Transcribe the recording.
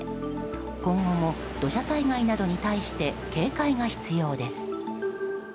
今後も土砂災害などに対して警戒が必要です。